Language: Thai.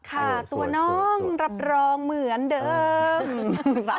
ค่ะตัวน้องรับรองเหมือนเดิม